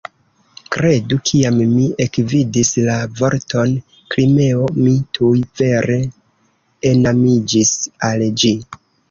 Kredu, kiam mi ekvidis la vorton "Krimeo" mi tuj vere enamiĝis al ĝi.